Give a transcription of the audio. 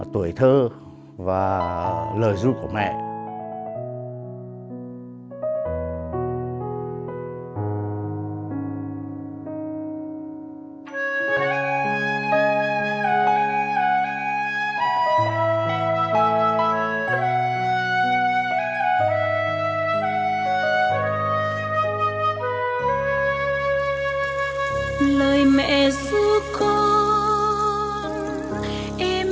tuổi thơ và lời ru của mẹ